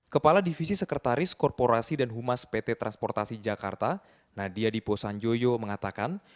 kepala divisi sekretaris korporasi dan humas pt transportasi jakarta nadia dipo sanjoyo mengatakan